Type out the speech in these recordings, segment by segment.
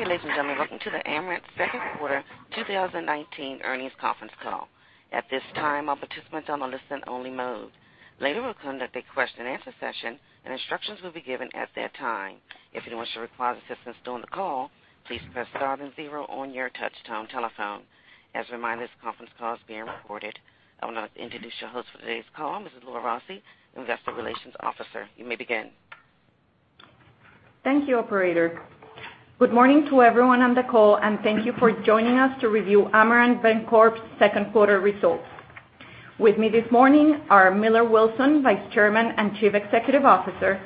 Good day, ladies and gentlemen. Welcome to the Amerant second quarter 2019 earnings conference call. At this time, all participants are on a listen only mode. Later, we'll conduct a question and answer session, and instructions will be given at that time. If anyone should require assistance during the call, please press star and zero on your touchtone telephone. As a reminder, this conference call is being recorded. I want to introduce your host for today's call, Mrs. Laura Rossi, Investor Relations Officer. You may begin. Thank you, operator. Good morning to everyone on the call, and thank you for joining us to review Amerant Bancorp's second quarter results. With me this morning are Millar Wilson, Vice Chairman and Chief Executive Officer,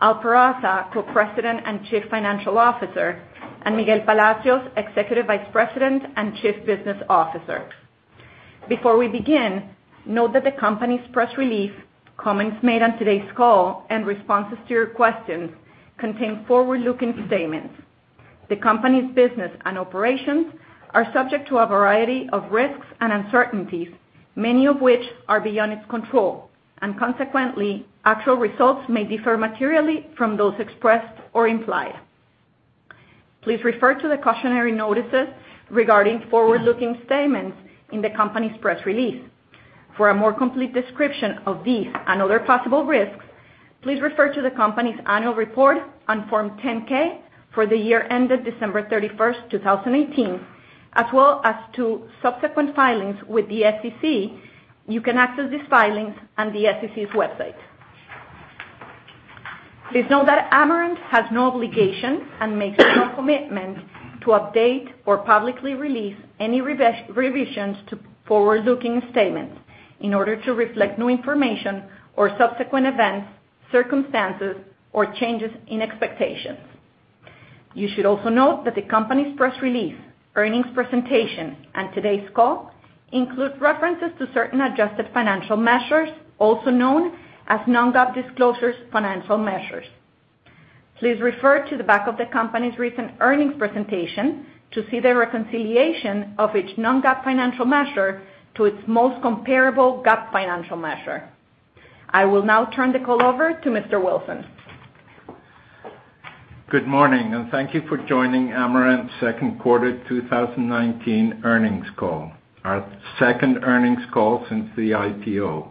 Al Peraza, Co-President and Chief Financial Officer, and Miguel Palacios, Executive Vice President and Chief Business Officer. Before we begin, note that the company's press release, comments made on today's call, and responses to your questions contain forward-looking statements. The company's business and operations are subject to a variety of risks and uncertainties, many of which are beyond its control, and consequently, actual results may differ materially from those expressed or implied. Please refer to the cautionary notices regarding forward-looking statements in the company's press release. For a more complete description of these and other possible risks, please refer to the company's annual report on Form 10-K for the year ended December 31st, 2018, as well as to subsequent filings with the SEC. You can access these filings on the SEC's website. Please note that Amerant has no obligation and makes no commitment to update or publicly release any revisions to forward-looking statements in order to reflect new information or subsequent events, circumstances, or changes in expectations. You should also note that the company's press release, earnings presentation, and today's call include references to certain adjusted financial measures, also known as non-GAAP disclosures financial measures. Please refer to the back of the company's recent earnings presentation to see the reconciliation of each non-GAAP financial measure to its most comparable GAAP financial measure. I will now turn the call over to Mr. Wilson. Good morning, and thank you for joining Amerant's second quarter 2019 earnings call, our second earnings call since the IPO.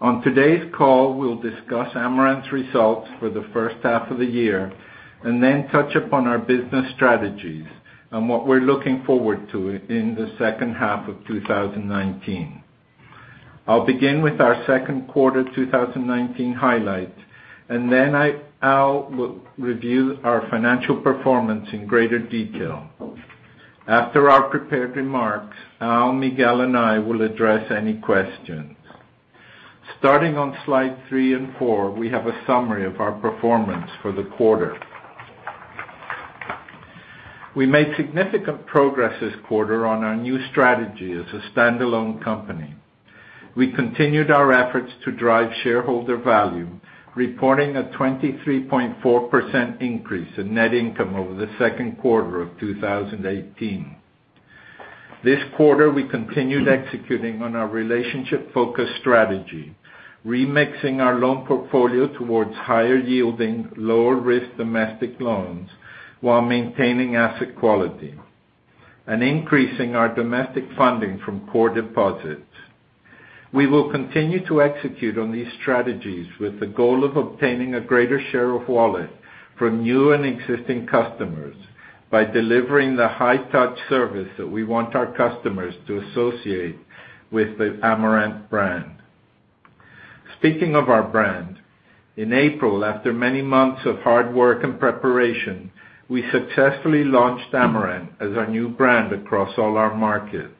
On today's call, we'll discuss Amerant's results for the first half of the year and then touch upon our business strategies and what we're looking forward to in the second half of 2019. I'll begin with our second quarter 2019 highlights, and then I will review our financial performance in greater detail. After our prepared remarks, Al, Miguel, and I will address any questions. Starting on slide three and four, we have a summary of our performance for the quarter. We made significant progress this quarter on our new strategy as a standalone company. We continued our efforts to drive shareholder value, reporting a 23.4% increase in net income over the second quarter of 2018. This quarter, we continued executing on our relationship-focused strategy, remixing our loan portfolio towards higher yielding, lower risk domestic loans while maintaining asset quality and increasing our domestic funding from core deposits. We will continue to execute on these strategies with the goal of obtaining a greater share of wallet from new and existing customers by delivering the high touch service that we want our customers to associate with the Amerant brand. Speaking of our brand, in April, after many months of hard work and preparation, we successfully launched Amerant as our new brand across all our markets.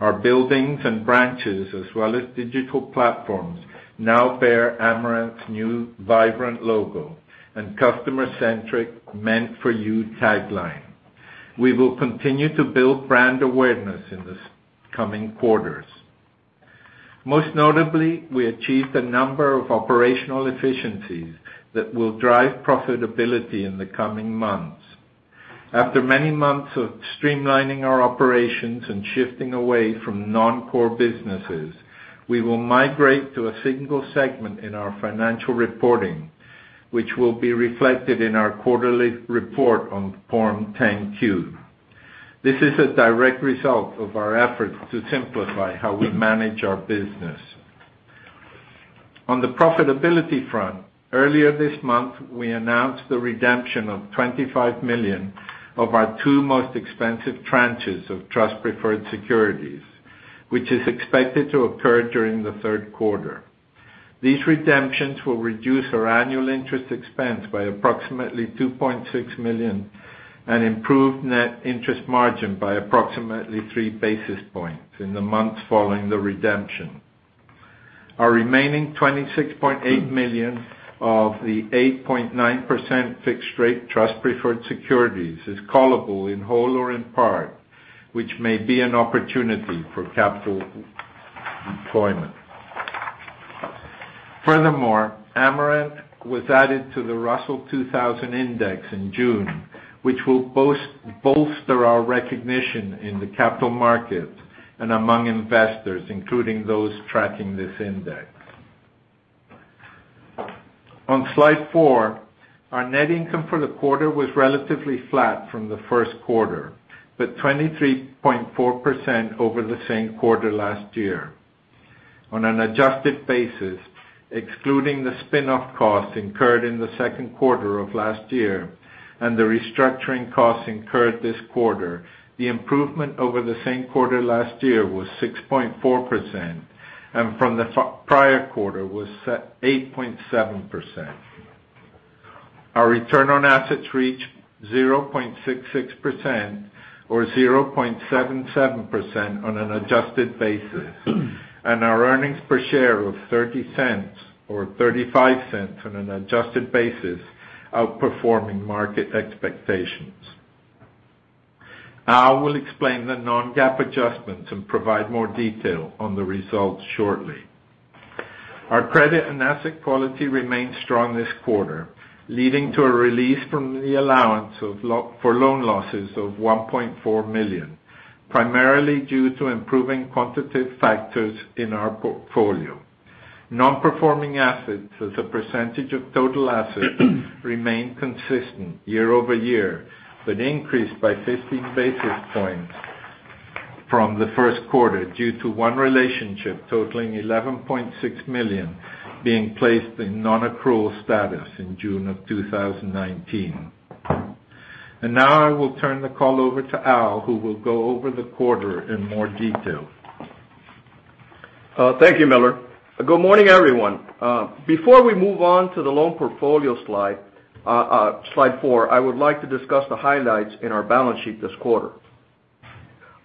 Our buildings and branches, as well as digital platforms now bear Amerant's new vibrant logo and customer centric "Meant for You" tagline. We will continue to build brand awareness in the coming quarters. Most notably, we achieved a number of operational efficiencies that will drive profitability in the coming months. After many months of streamlining our operations and shifting away from non-core businesses, we will migrate to a single segment in our financial reporting, which will be reflected in our quarterly report on Form 10-Q. This is a direct result of our efforts to simplify how we manage our business. On the profitability front, earlier this month, we announced the redemption of $25 million of our two most expensive tranches of trust-preferred securities, which is expected to occur during the third quarter. These redemptions will reduce our annual interest expense by approximately $2.6 million and improve net interest margin by approximately three basis points in the months following the redemption. Our remaining $26.8 million of the 8.9% fixed rate trust-preferred securities is callable in whole or in part, which may be an opportunity for capital deployment. Furthermore, Amerant was added to the Russell 2000 Index in June, which will bolster our recognition in the capital markets and among investors, including those tracking this index. On slide four, our net income for the quarter was relatively flat from the first quarter, but 23.4% over the same quarter last year. On an adjusted basis, excluding the spin-off costs incurred in the second quarter of last year and the restructuring costs incurred this quarter, the improvement over the same quarter last year was 6.4%, and from the prior quarter was 8.7%. Our return on assets reached 0.66%, or 0.77% on an adjusted basis, and our earnings per share of $0.30, or $0.35 on an adjusted basis, outperforming market expectations. Al will explain the non-GAAP adjustments and provide more detail on the results shortly. Our credit and asset quality remained strong this quarter, leading to a release from the allowance for loan losses of $1.4 million, primarily due to improving quantitative factors in our portfolio. Non-performing assets as a percentage of total assets remained consistent year-over-year, but increased by 15 basis points from the first quarter due to one relationship totaling $11.6 million being placed in non-accrual status in June of 2019. Now I will turn the call over to Al, who will go over the quarter in more detail. Thank you, Millar. Good morning, everyone. Before we move on to the loan portfolio slide four, I would like to discuss the highlights in our balance sheet this quarter.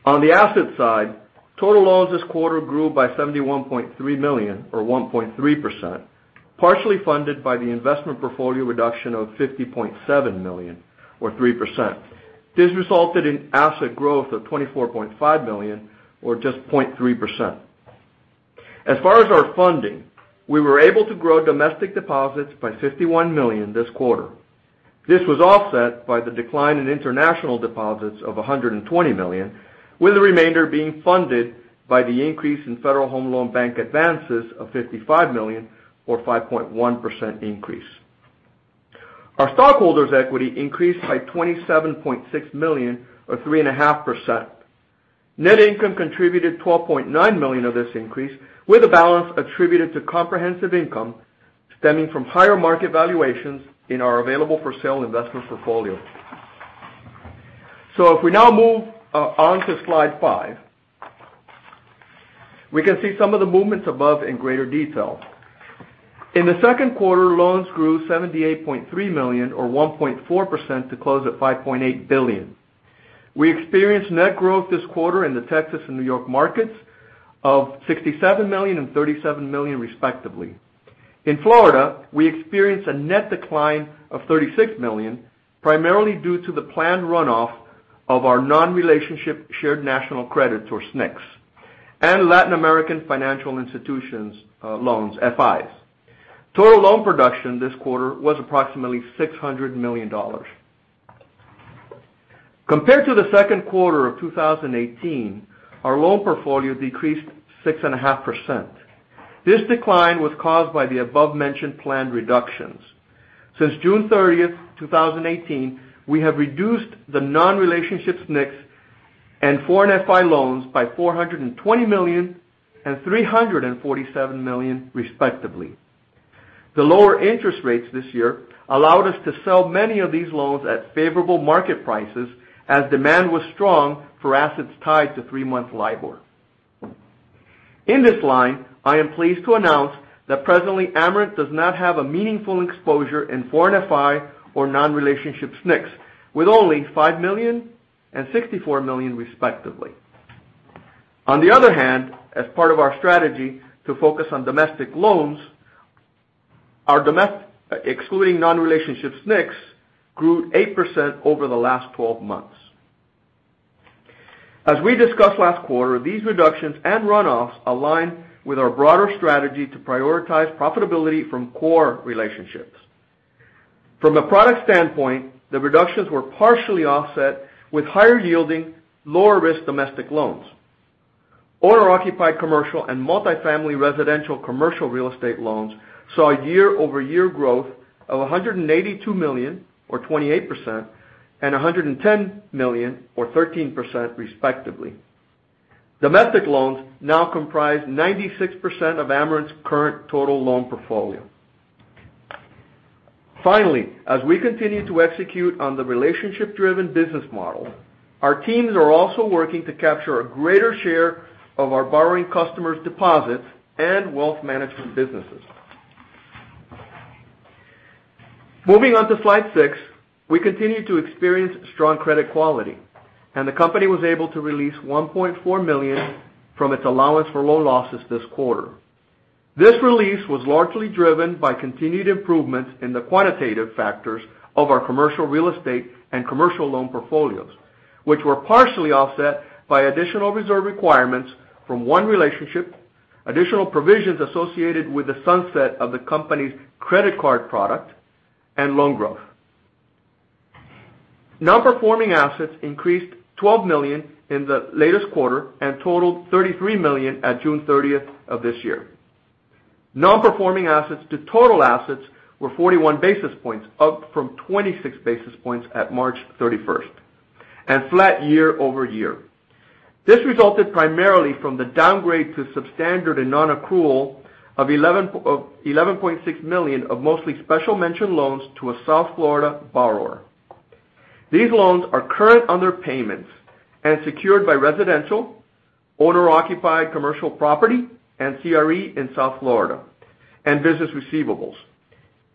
On the asset side, total loans this quarter grew by $71.3 million, or 1.3%, partially funded by the investment portfolio reduction of $50.7 million, or 3%. This resulted in asset growth of $24.5 million, or just 0.3%. As far as our funding, we were able to grow domestic deposits by $51 million this quarter. This was offset by the decline in international deposits of $120 million, with the remainder being funded by the increase in Federal Home Loan Bank advances of $55 million, or 5.1% increase. Our stockholders' equity increased by $27.6 million, or 3.5%. Net income contributed $12.9 million of this increase, with the balance attributed to comprehensive income stemming from higher market valuations in our available-for-sale investment portfolio. If we now move on to slide five, we can see some of the movements above in greater detail. In the second quarter, loans grew $78.3 million, or 1.4%, to close at $5.8 billion. We experienced net growth this quarter in the Texas and New York markets of $67 million and $37 million, respectively. In Florida, we experienced a net decline of $36 million, primarily due to the planned runoff of our non-relationship Shared National Credits, or SNCs, and Latin American Financial Institutions loans, FIs. Total loan production this quarter was approximately $600 million. Compared to the second quarter of 2018, our loan portfolio decreased 6.5%. This decline was caused by the above-mentioned planned reductions. Since June 30th, 2018, we have reduced the non-relationship SNCs and foreign FI loans by $420 million and $347 million, respectively. The lower interest rates this year allowed us to sell many of these loans at favorable market prices as demand was strong for assets tied to three-month LIBOR. In this line, I am pleased to announce that presently, Amerant does not have a meaningful exposure in foreign FI or non-relationship SNCs, with only $5 million and $64 million, respectively. On the other hand, as part of our strategy to focus on domestic loans, excluding non-relationship SNCs, grew 8% over the last 12 months. As we discussed last quarter, these reductions and runoffs align with our broader strategy to prioritize profitability from core relationships. From a product standpoint, the reductions were partially offset with higher yielding, lower risk domestic loans. Owner-occupied commercial and multifamily residential commercial real estate loans saw a year-over-year growth of $182 million, or 28%, and $110 million, or 13%, respectively. Domestic loans now comprise 96% of Amerant's current total loan portfolio. As we continue to execute on the relationship-driven business model, our teams are also working to capture a greater share of our borrowing customers' deposits and wealth management businesses. Moving on to slide six, we continue to experience strong credit quality, and the company was able to release $1.4 million from its allowance for loan losses this quarter. This release was largely driven by continued improvements in the quantitative factors of our commercial real estate and commercial loan portfolios, which were partially offset by additional reserve requirements from one relationship, additional provisions associated with the sunset of the company's credit card product, and loan growth. Non-performing assets increased $12 million in the latest quarter and totaled $33 million at June 30th of this year. Non-performing assets to total assets were 41 basis points, up from 26 basis points at March 31st, and flat year-over-year. This resulted primarily from the downgrade to substandard and non-accrual of $11.6 million of mostly special mention loans to a South Florida borrower. These loans are current underpayments and secured by residential, owner-occupied commercial property, and CRE in South Florida and business receivables.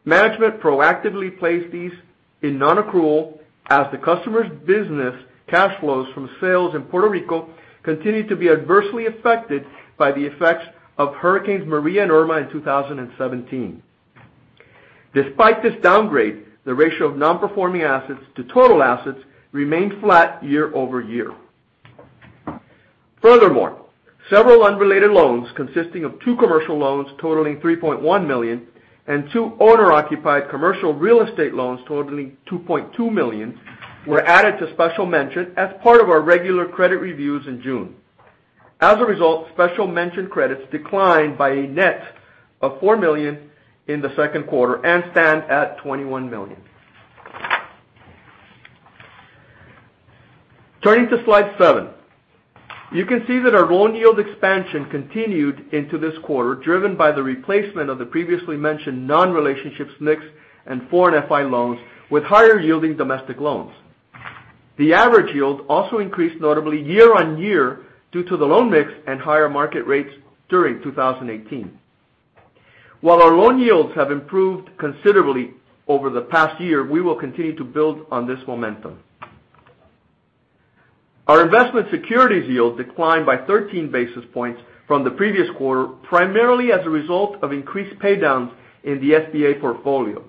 Management proactively placed these in non-accrual as the customer's business cash flows from sales in Puerto Rico continued to be adversely affected by the effects of hurricanes Maria and Irma in 2017. Despite this downgrade, the ratio of non-performing assets to total assets remained flat year-over-year. Furthermore, several unrelated loans consisting of two commercial loans totaling $3.1 million and two owner-occupied commercial real estate loans totaling $2.2 million were added to special mention as part of our regular credit reviews in June. As a result, special mention credits declined by a net of $4 million in the second quarter and stand at $21 million. Turning to slide seven. You can see that our loan yield expansion continued into this quarter, driven by the replacement of the previously mentioned non-relationship mix and foreign FI loans with higher-yielding domestic loans. The average yield also increased notably year-on-year due to the loan mix and higher market rates during 2018. While our loan yields have improved considerably over the past year, we will continue to build on this momentum. Our investment securities yield declined by 13 basis points from the previous quarter, primarily as a result of increased paydowns in the SBA portfolio.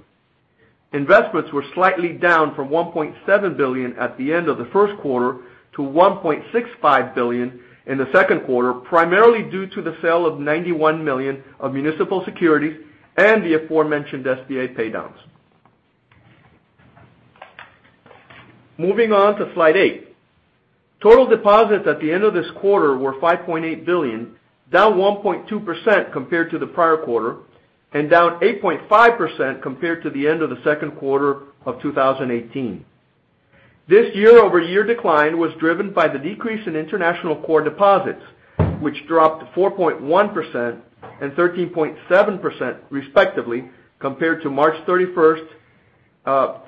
Investments were slightly down from $1.7 billion at the end of the first quarter to $1.65 billion in the second quarter, primarily due to the sale of $91 million of municipal securities and the aforementioned SBA paydowns. Moving on to slide eight. Total deposits at the end of this quarter were $5.8 billion, down 1.2% compared to the prior quarter, and down 8.5% compared to the end of the second quarter of 2018. This year-over-year decline was driven by the decrease in international core deposits, which dropped 4.1% and 13.7% respectively compared to March 31st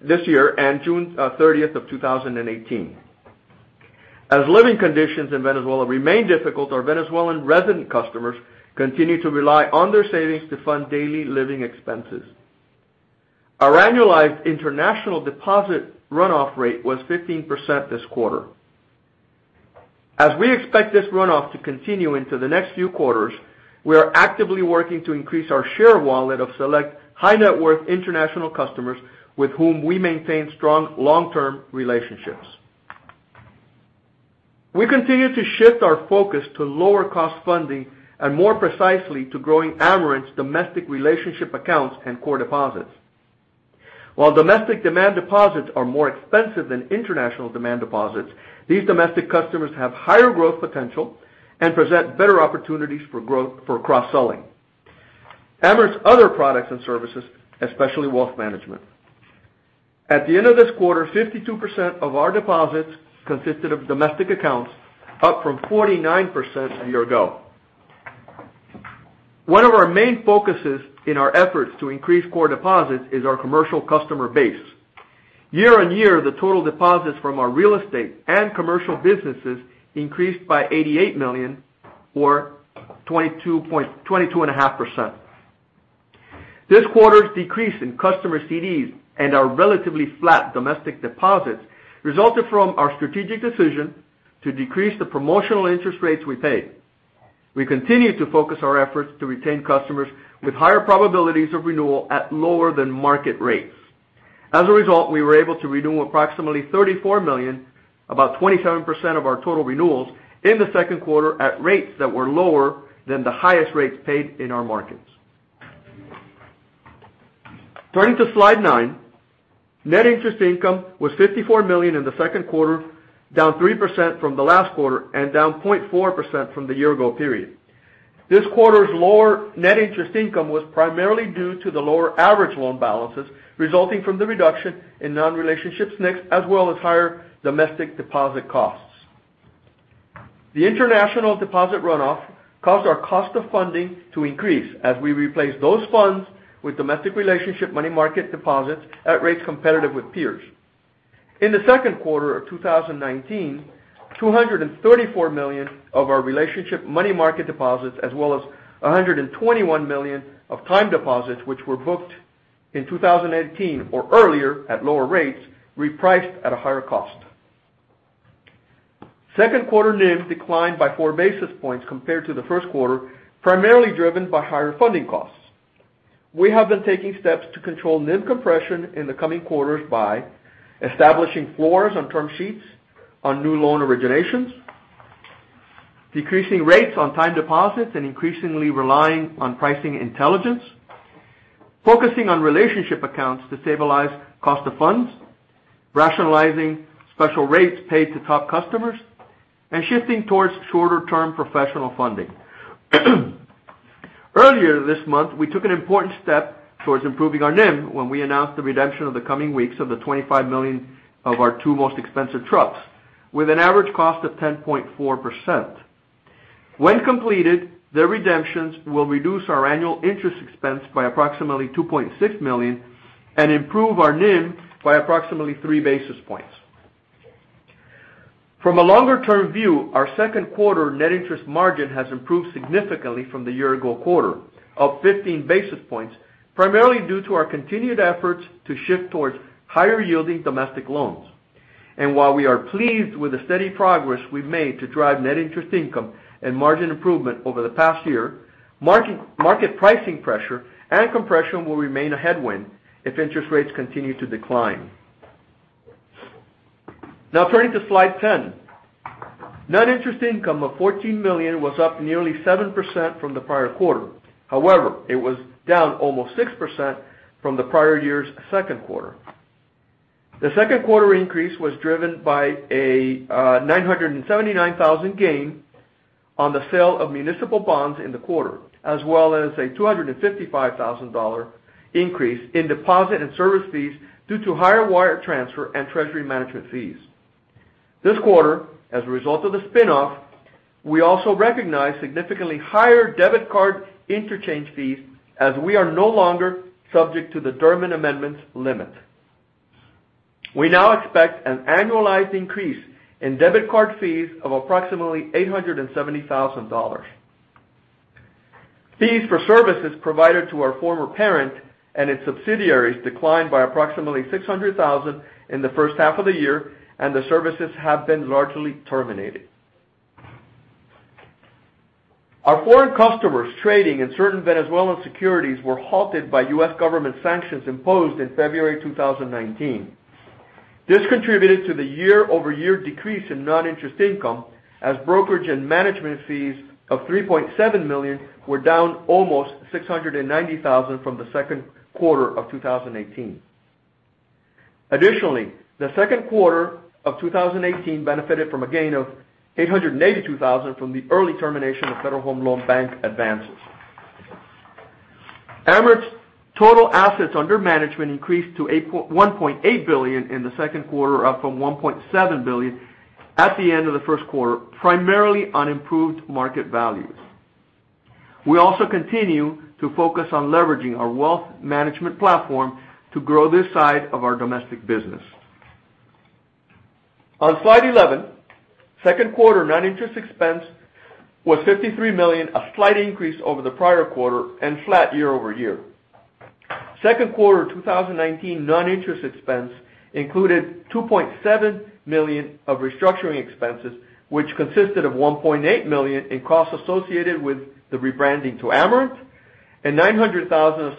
this year and June 30th of 2018. As living conditions in Venezuela remain difficult, our Venezuelan resident customers continue to rely on their savings to fund daily living expenses. Our annualized international deposit runoff rate was 15% this quarter. As we expect this runoff to continue into the next few quarters, we are actively working to increase our share of wallet of select high-net-worth international customers with whom we maintain strong long-term relationships. We continue to shift our focus to lower cost funding and more precisely to growing Amerant's domestic relationship accounts and core deposits. While domestic demand deposits are more expensive than international demand deposits, these domestic customers have higher growth potential and present better opportunities for growth for cross-selling Amerant's other products and services, especially wealth management. At the end of this quarter, 52% of our deposits consisted of domestic accounts, up from 49% a year ago. One of our main focuses in our efforts to increase core deposits is our commercial customer base. Year-over-year, the total deposits from our real estate and commercial businesses increased by $88 million or 22.5%. This quarter's decrease in customer CDs and our relatively flat domestic deposits resulted from our strategic decision to decrease the promotional interest rates we pay. We continue to focus our efforts to retain customers with higher probabilities of renewal at lower than market rates. As a result, we were able to renew approximately $34 million, about 27% of our total renewals in the second quarter at rates that were lower than the highest rates paid in our markets. Turning to slide nine. Net interest income was $54 million in the second quarter, down 3% from the last quarter and down 0.4% from the year ago period. This quarter's lower net interest income was primarily due to the lower average loan balances resulting from the reduction in non-relationship mix, as well as higher domestic deposit costs. The international deposit runoff caused our cost of funding to increase as we replaced those funds with domestic relationship money market deposits at rates competitive with peers. In the second quarter of 2019, $234 million of our relationship money market deposits, as well as $121 million of time deposits, which were booked in 2018 or earlier at lower rates, repriced at a higher cost. Second quarter NIM declined by four basis points compared to the first quarter, primarily driven by higher funding costs. We have been taking steps to control NIM compression in the coming quarters by establishing floors on term sheets on new loan originations. Decreasing rates on time deposits and increasingly relying on pricing intelligence, focusing on relationship accounts to stabilize cost of funds, rationalizing special rates paid to top customers, and shifting towards shorter-term professional funding. Earlier this month, we took an important step towards improving our NIM when we announced the redemption of the coming weeks of the $25 million of our two most expensive trusts, with an average cost of 10.4%. When completed, the redemptions will reduce our annual interest expense by approximately $2.6 million and improve our NIM by approximately three basis points. From a longer-term view, our second quarter net interest margin has improved significantly from the year-ago quarter, up 15 basis points, primarily due to our continued efforts to shift towards higher-yielding domestic loans. While we are pleased with the steady progress we've made to drive net interest income and margin improvement over the past year, market pricing pressure and compression will remain a headwind if interest rates continue to decline. Turning to Slide 10. Net interest income of $14 million was up nearly 7% from the prior quarter. However, it was down almost 6% from the prior year's second quarter. The second quarter increase was driven by a $979,000 gain on the sale of municipal bonds in the quarter, as well as a $255,000 increase in deposit and service fees due to higher wire transfer and treasury management fees. This quarter, as a result of the spin-off, we also recognized significantly higher debit card interchange fees, as we are no longer subject to the Durbin Amendment limit. We now expect an annualized increase in debit card fees of approximately $870,000. Fees for services provided to our former parent and its subsidiaries declined by approximately $600,000 in the first half of the year, and the services have been largely terminated. Our foreign customers trading in certain Venezuelan securities were halted by U.S. government sanctions imposed in February 2019. This contributed to the year-over-year decrease in non-interest income, as brokerage and management fees of $3.7 million were down almost $690,000 from the second quarter of 2018. Additionally, the second quarter of 2018 benefited from a gain of $882,000 from the early termination of Federal Home Loan Bank advances. Amerant's total assets under management increased to $1.8 billion in the second quarter, up from $1.7 billion at the end of the first quarter, primarily on improved market values. We also continue to focus on leveraging our wealth management platform to grow this side of our domestic business. On Slide 11, second quarter non-interest expense was $53 million, a slight increase over the prior quarter and flat year-over-year. Second quarter 2019 non-interest expense included $2.7 million of restructuring expenses, which consisted of $1.8 million in costs associated with the rebranding to Amerant and $900,000 of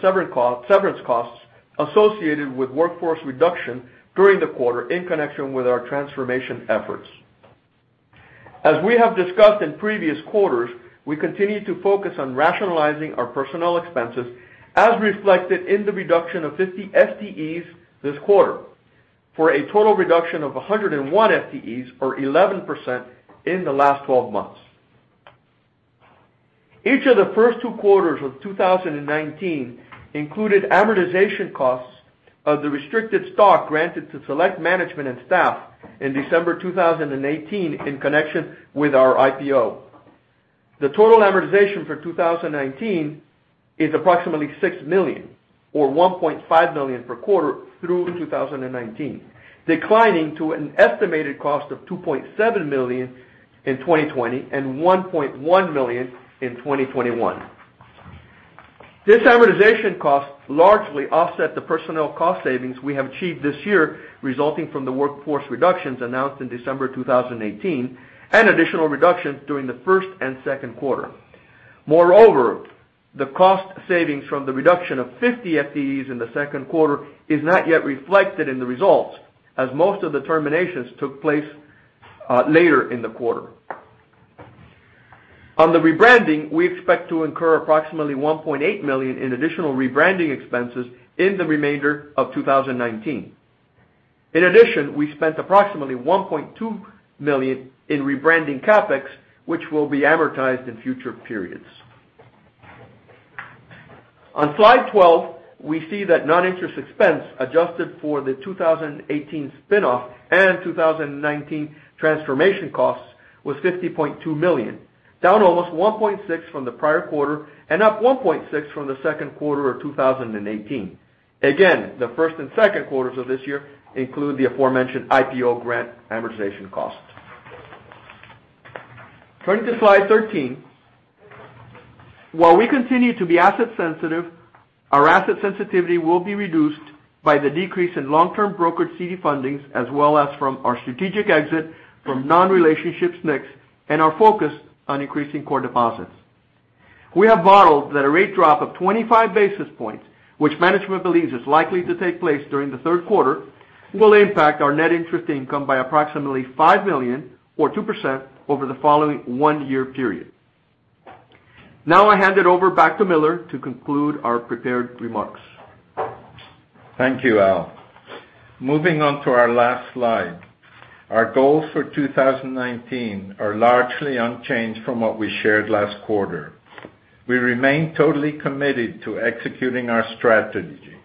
severance costs associated with workforce reduction during the quarter in connection with our transformation efforts. As we have discussed in previous quarters, we continue to focus on rationalizing our personnel expenses, as reflected in the reduction of 50 FTEs this quarter. For a total reduction of 101 FTEs or 11% in the last 12 months. Each of the first two quarters of 2019 included amortization costs of the restricted stock granted to select management and staff in December 2018 in connection with our IPO. The total amortization for 2019 is approximately $6 million or $1.5 million per quarter through 2019. Declining to an estimated cost of $2.7 million in 2020 and $1.1 million in 2021. This amortization cost largely offset the personnel cost savings we have achieved this year resulting from the workforce reductions announced in December 2018, and additional reductions during the first and second quarter. Moreover, the cost savings from the reduction of 50 FTEs in the second quarter is not yet reflected in the results as most of the terminations took place later in the quarter. On the rebranding, we expect to incur approximately $1.8 million in additional rebranding expenses in the remainder of 2019. In addition, we spent approximately $1.2 million in rebranding CapEx, which will be amortized in future periods. On Slide 12, we see that non-interest expense adjusted for the 2018 spin-off and 2019 transformation costs was $50.2 million, down almost $1.6 from the prior quarter and up $1.6 from the second quarter of 2018. Again, the first and second quarters of this year include the aforementioned IPO grant amortization costs. Turning to Slide 13. While we continue to be asset sensitive, our asset sensitivity will be reduced by the decrease in long-term brokered CD fundings as well as from our strategic exit from non-relationship SNCs and our focus on increasing core deposits. We have modeled that a rate drop of 25 basis points, which management believes is likely to take place during the third quarter, will impact our net interest income by approximately $5 million or 2% over the following one-year period. Now I hand it over back to Millar to conclude our prepared remarks. Thank you, Al. Moving on to our last slide. Our goals for 2019 are largely unchanged from what we shared last quarter. We remain totally committed to executing our strategy,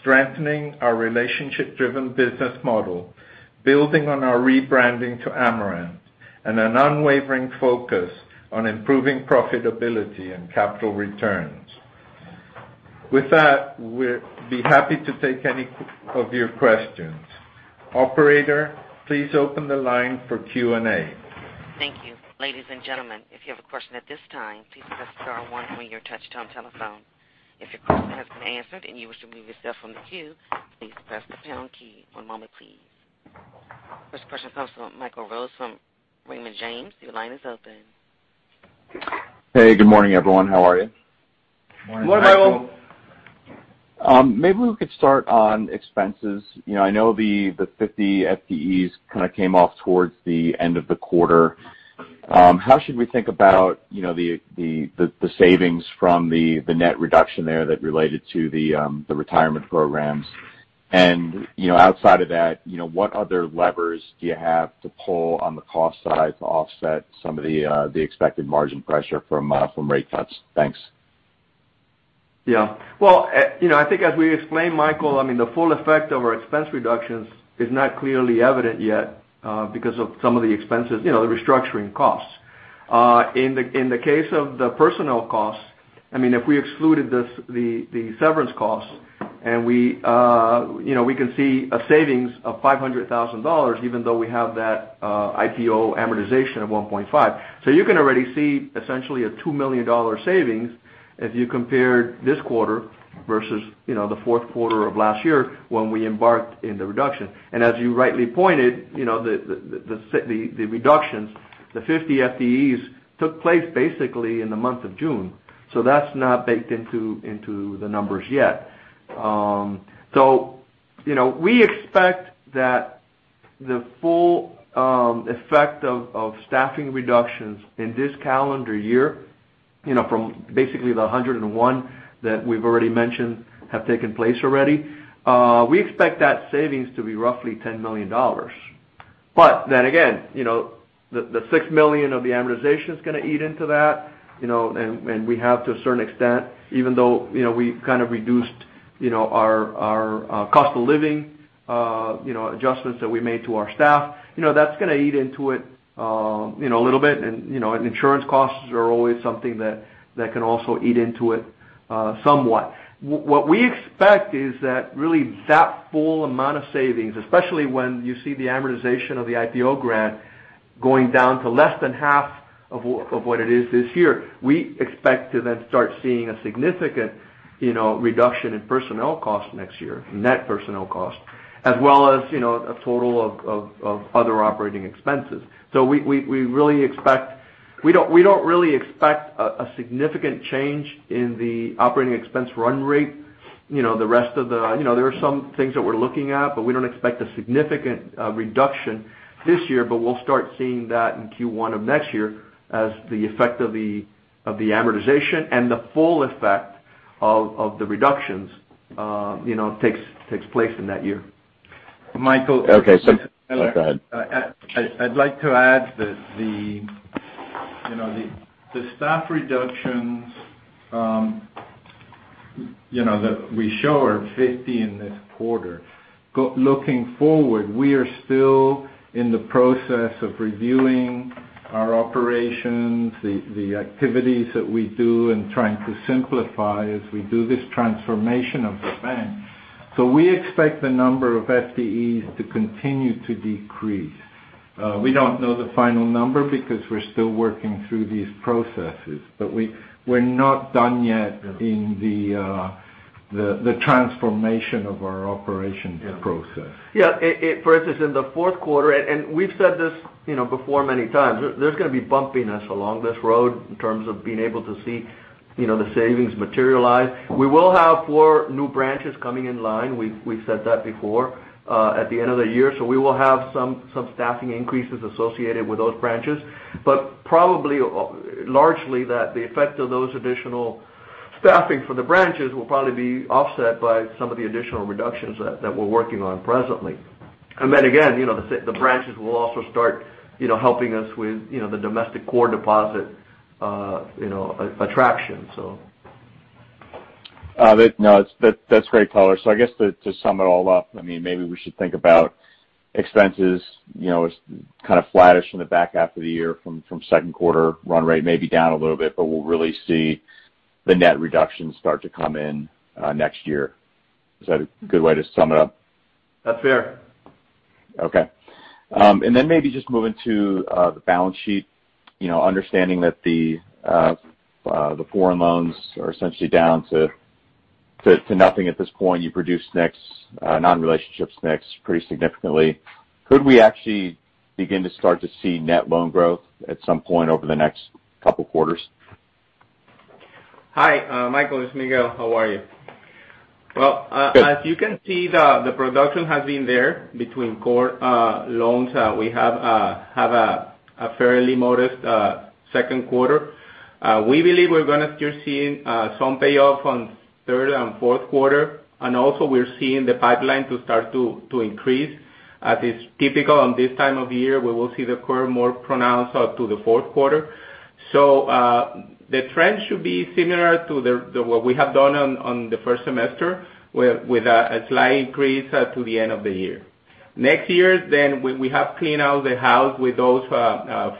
strengthening our relationship-driven business model, building on our rebranding to Amerant, and an unwavering focus on improving profitability and capital returns. With that, we'd be happy to take any of your questions. Operator, please open the line for Q&A. Thank you. Ladies and gentlemen, if you have a question at this time, please press star one on your touch-tone telephone. If your question has been answered and you wish to remove yourself from the queue, please press the pound key. One moment, please. First question comes from Michael Rose from Raymond James. Your line is open. Hey, good morning, everyone. How are you? Morning, Michael. Good morning. Maybe we could start on expenses. I know the 50 FTEs kind of came off towards the end of the quarter. How should we think about the savings from the net reduction there that related to the retirement programs? Outside of that, what other levers do you have to pull on the cost side to offset some of the expected margin pressure from rate cuts? Thanks. Well, I think as we explained, Michael, the full effect of our expense reductions is not clearly evident yet because of some of the expenses, the restructuring costs. In the case of the personnel costs, if we excluded the severance costs and we can see a savings of $500,000 even though we have that IPO amortization of $1.5. You can already see essentially a $2 million savings if you compared this quarter versus the fourth quarter of last year when we embarked in the reduction. As you rightly pointed, the reductions, the 50 FTEs took place basically in the month of June. That's not baked into the numbers yet. We expect that the full effect of staffing reductions in this calendar year from basically the 101 that we've already mentioned have taken place already. We expect that savings to be roughly $10 million. Then again, the $6 million of the amortization is going to eat into that. We have to a certain extent, even though we kind of reduced our cost of living adjustments that we made to our staff. That's going to eat into it a little bit. Insurance costs are always something that can also eat into it somewhat. What we expect is that really that full amount of savings, especially when you see the amortization of the IPO grant going down to less than half of what it is this year. We expect to then start seeing a significant reduction in personnel cost next year, net personnel cost, as well as a total of other operating expenses. We don't really expect a significant change in the operating expense run rate. There are some things that we're looking at, but we don't expect a significant reduction this year, but we'll start seeing that in Q1 of next year as the effect of the amortization and the full effect of the reductions takes place in that year. Michael. Okay. Go ahead. I'd like to add that the staff reductions that we show are 50 in this quarter. Looking forward, we are still in the process of reviewing our operations, the activities that we do and trying to simplify as we do this transformation of the bank. We expect the number of FTEs to continue to decrease. We don't know the final number because we're still working through these processes. We're not done yet in the transformation of our operations process. Yeah. For instance, in the fourth quarter, and we've said this before many times, there's going to be bumpiness along this road in terms of being able to see the savings materialize. We will have four new branches coming in line. We've said that before at the end of the year. We will have some staffing increases associated with those branches. Probably largely that the effect of those additional staffing for the branches will probably be offset by some of the additional reductions that we're working on presently. The branches will also start helping us with the domestic core deposit attraction. That's great color. I guess to sum it all up, maybe we should think about expenses as kind of flattish in the back half of the year from second quarter run rate, maybe down a little bit. We'll really see the net reduction start to come in next year. Is that a good way to sum it up? That's fair. Okay. Maybe just moving to the balance sheet. Understanding that the foreign loans are essentially down to nothing at this point, you produced SNCs, non-relationship SNCs, pretty significantly. Could we actually begin to start to see net loan growth at some point over the next couple quarters? Hi, Michael, it's Miguel. How are you? Good. Well, as you can see, the production has been there between core loans. We have a fairly modest second quarter. We believe we're going to still see some payoff on third and fourth quarter, and also we're seeing the pipeline to start to increase. As is typical on this time of year, we will see the core more pronounced out to the fourth quarter. The trend should be similar to what we have done on the first semester, with a slight increase to the end of the year. Next year, we have cleaned out the house with those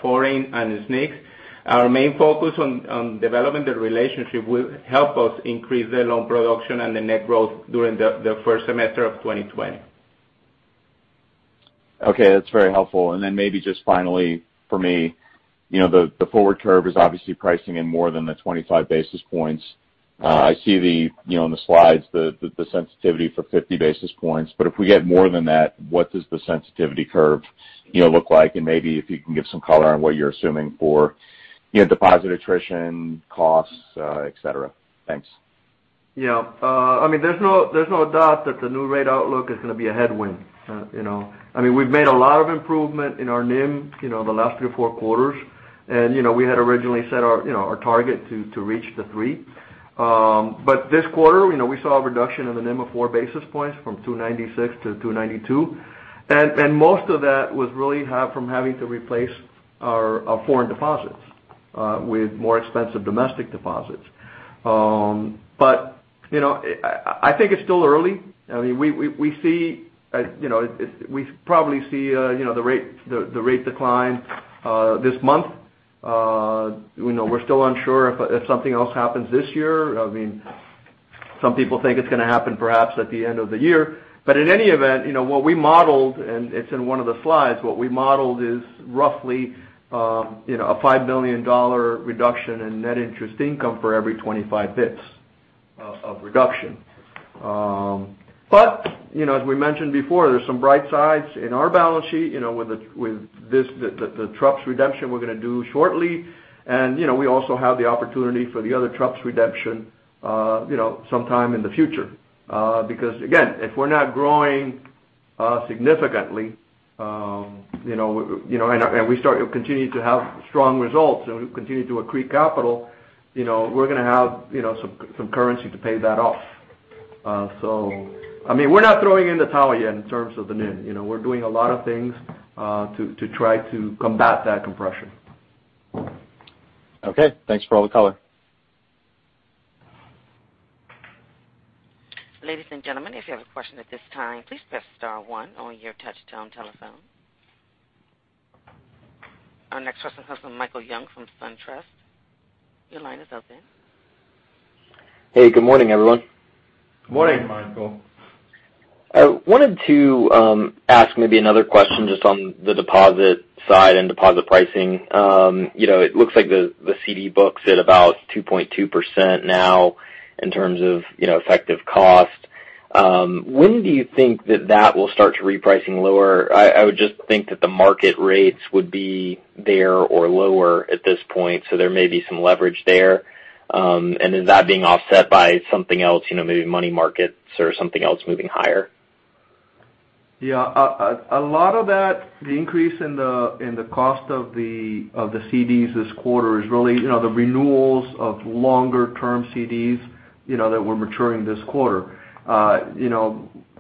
foreign and SNCs. Our main focus on developing the relationship will help us increase the loan production and the net growth during the first semester of 2020. Okay, that's very helpful. Maybe just finally for me, the forward curve is obviously pricing in more than the 25 basis points. I see in the slides the sensitivity for 50 basis points, if we get more than that, what does the sensitivity curve look like? Maybe if you can give some color on what you're assuming for deposit attrition costs, et cetera. Thanks. Yeah. There's no doubt that the new rate outlook is going to be a headwind. We've made a lot of improvement in our NIM the last three or four quarters, and we had originally set our target to reach the three. This quarter, we saw a reduction in the NIM of four basis points from 296 to 292. Most of that was really from having to replace our foreign deposits with more expensive domestic deposits. I think it's still early. We probably see the rate decline this month. We're still unsure if something else happens this year. Some people think it's going to happen perhaps at the end of the year. In any event, what we modeled, and it's in one of the slides, what we modeled is roughly a $5 million reduction in net interest income for every 25 bps of reduction. As we mentioned before, there's some bright sides in our balance sheet, with the TruPS redemption we're going to do shortly. We also have the opportunity for the other TruPS redemption sometime in the future. Again, if we're not growing significantly, and we continue to have strong results and we continue to accrete capital, we're going to have some currency to pay that off. We're not throwing in the towel yet in terms of the NIM. We're doing a lot of things to try to combat that compression. Okay. Thanks for all the color. Ladies and gentlemen, if you have a question at this time, please press *1 on your touch-tone telephone. Our next question comes from Michael Young from SunTrust. Your line is open. Hey, good morning, everyone. Morning, Michael. I wanted to ask maybe another question just on the deposit side and deposit pricing. It looks like the CD book's at about 2.2% now in terms of effective cost. When do you think that that will start to repricing lower? I would just think that the market rates would be there or lower at this point, so there may be some leverage there. Is that being offset by something else, maybe money markets or something else moving higher? Yeah. A lot of that, the increase in the cost of the CDs this quarter is really the renewals of longer-term CDs that were maturing this quarter.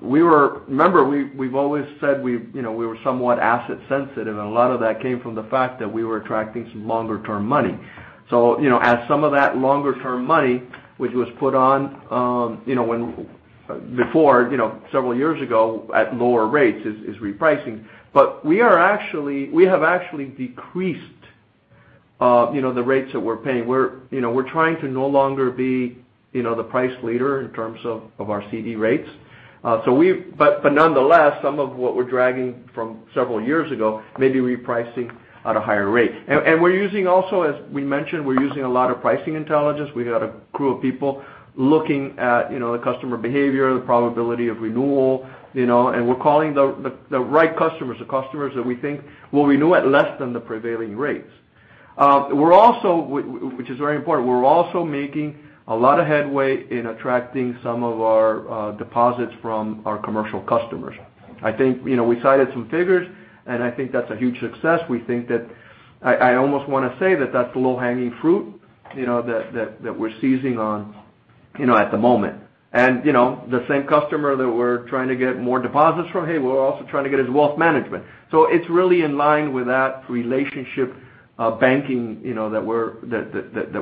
Remember, we've always said we were somewhat asset sensitive, and a lot of that came from the fact that we were attracting some longer-term money. As some of that longer-term money, which was put on before, several years ago at lower rates, is repricing. We have actually decreased the rates that we're paying. We're trying to no longer be the price leader in terms of our CD rates. Nonetheless, some of what we're dragging from several years ago may be repricing at a higher rate. We're using also, as we mentioned, we're using a lot of pricing intelligence. We got a crew of people looking at the customer behavior, the probability of renewal. We're calling the right customers, the customers that we think will renew at less than the prevailing rates, which is very important. We're also making a lot of headway in attracting some of our deposits from our commercial customers. I think we cited some figures, and I think that's a huge success. I almost want to say that that's low-hanging fruit that we're seizing on at the moment. The same customer that we're trying to get more deposits from, hey, we're also trying to get his wealth management. It's really in line with that relationship banking that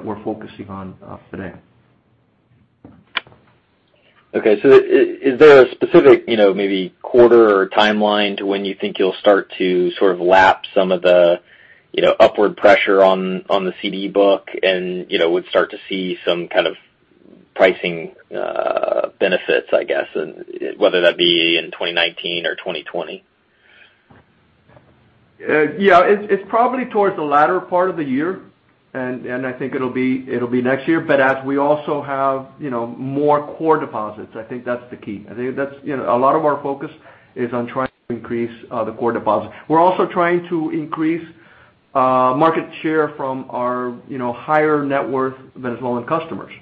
we're focusing on today. Okay. Is there a specific maybe quarter or timeline to when you think you'll start to sort of lap some of the upward pressure on the CD book and would start to see some kind of pricing benefits, I guess? Whether that be in 2019 or 2020. Yeah. It's probably towards the latter part of the year, and I think it'll be next year. As we also have more core deposits, I think that's the key. A lot of our focus is on trying to increase the core deposits. We're also trying to increase market share from our higher net worth Venezuelan customers,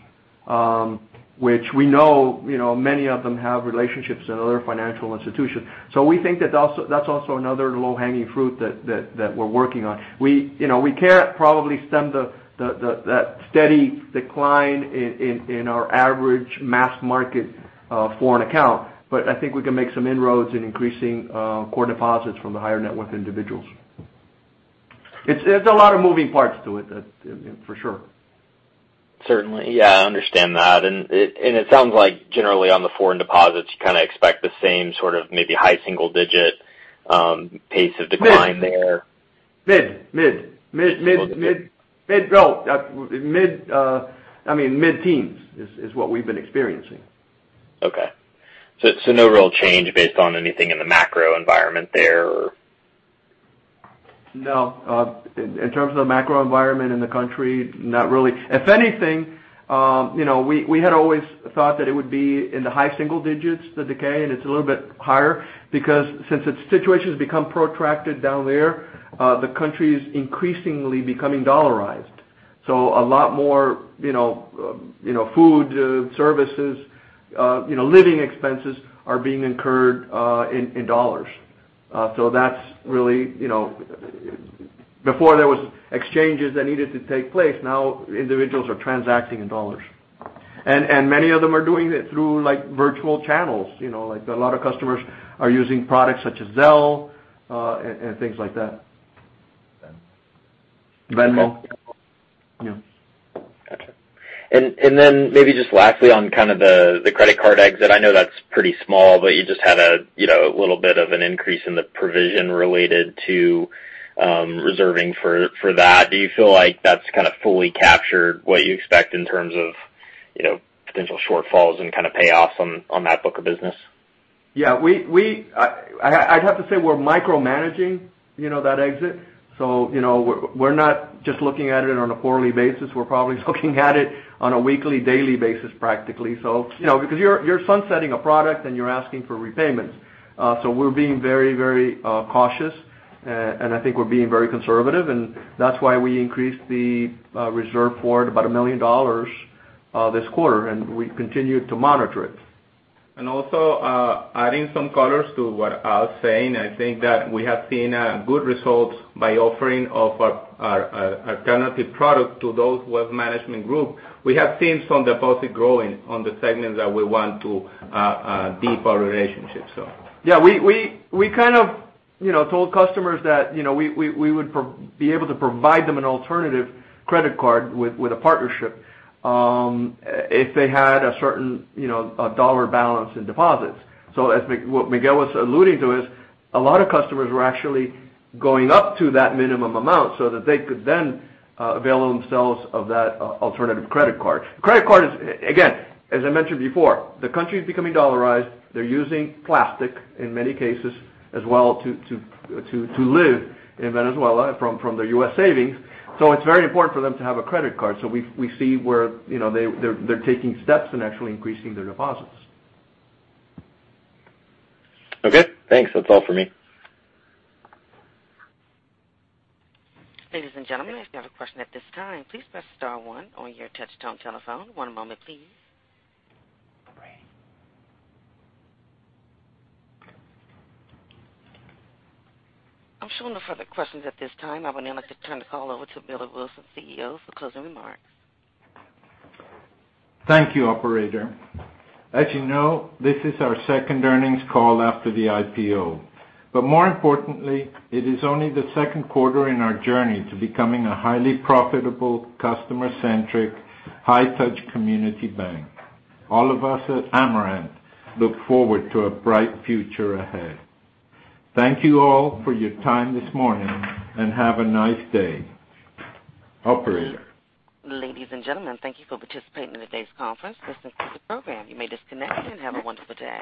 which we know many of them have relationships in other financial institutions. We think that's also another low-hanging fruit that we're working on. We can't probably stem that steady decline in our average mass market foreign account. I think we can make some inroads in increasing core deposits from the higher net worth individuals. There's a lot of moving parts to it, for sure. Certainly. Yeah, I understand that. It sounds like generally on the foreign deposits, you kind of expect the same sort of maybe high single-digit pace of decline there. I mean, mid-teens is what we've been experiencing. Okay. No real change based on anything in the macro environment there? No. In terms of the macro environment in the country, not really. If anything, we had always thought that it would be in the high single digits, the decay, and it's a little bit higher because since its situation has become protracted down there, the country is increasingly becoming dollarized. A lot more food services, living expenses are being incurred in $. Before there was exchanges that needed to take place, now individuals are transacting in $. Many of them are doing it through virtual channels. A lot of customers are using products such as Zelle and things like that. Venmo. Venmo. Yeah. Got you. Maybe just lastly on kind of the credit card exit. I know that's pretty small, but you just had a little bit of an increase in the provision related to reserving for that. Do you feel like that's kind of fully captured what you expect in terms of potential shortfalls and kind of payoffs on that book of business? Yeah. I'd have to say we're micromanaging that exit. We're not just looking at it on a quarterly basis. We're probably looking at it on a weekly, daily basis, practically. Because you're sunsetting a product and you're asking for repayments. We're being very cautious, and I think we're being very conservative, and that's why we increased the reserve for it by $1 million this quarter, and we continue to monitor it. Also adding some color to what Al's saying, I think that we have seen good results by offering of our alternative product to those wealth management group. We have seen some deposits growing on the segment that we want to deepen our relationship. Yeah, we kind of told customers that we would be able to provide them an alternative credit card with a partnership if they had a certain $ balance in deposits. What Miguel was alluding to is a lot of customers were actually going up to that minimum amount so that they could then avail themselves of that alternative credit card. The credit card is, again, as I mentioned before, the country is becoming dollarized. They're using plastic in many cases as well to live in Venezuela from their U.S. savings. It's very important for them to have a credit card. We see where they're taking steps and actually increasing their deposits. Okay, thanks. That's all for me. Ladies and gentlemen, if you have a question at this time, please press star one on your touchtone telephone. One moment, please. I'm showing no further questions at this time. I would now like to turn the call over to Millar Wilson, CEO, for closing remarks. Thank you, operator. As you know, this is our second earnings call after the IPO. More importantly, it is only the second quarter in our journey to becoming a highly profitable, customer centric, high touch community bank. All of us at Amerant look forward to a bright future ahead. Thank you all for your time this morning, and have a nice day. Operator? Ladies and gentlemen, thank you for participating in today's conference. This concludes the program. You may disconnect and have a wonderful day.